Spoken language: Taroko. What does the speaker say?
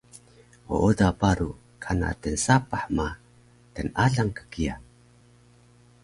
ooda paru kana tnsapah ma tnalang ka kiya